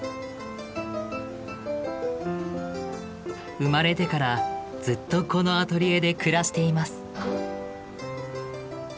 生まれてからずっとこのアトリエで暮らしています。